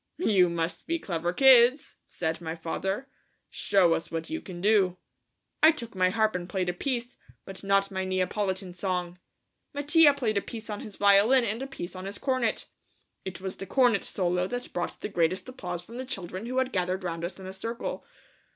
"You must be clever kids," said my father; "show us what you can do." I took my harp and played a piece, but not my Neapolitan song. Mattia played a piece on his violin and a piece on his cornet. It was the cornet solo that brought the greatest applause from the children who had gathered round us in a circle.